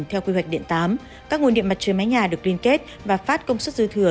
theo quy hoạch điện tám các nguồn điện mặt trời mái nhà được liên kết và phát công suất dư thừa